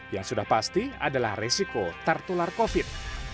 yang sudah pasti adalah resiko tertular covid